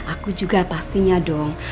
aku juga pastinya dong